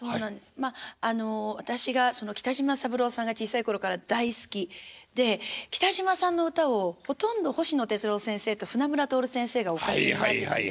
まああの私が北島三郎さんが小さい頃から大好きで北島さんの歌をほとんど星野哲郎先生と船村徹先生がお書きになってたんですね。